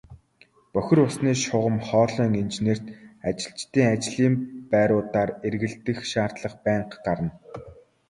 Бохир усны шугам хоолойн инженерт ажилчдын ажлын байруудаар эргэлдэх шаардлага байнга гарна.